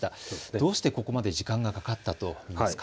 どうしてここまで時間がかかったと思いますか。